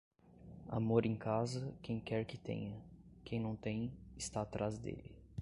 Amor em casa, quem quer que tenha; quem não tem, está atrás dele.